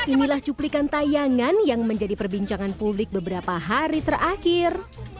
inilah cuplikan tayangan yang menjadi perbincangan publik beberapa hari terakhir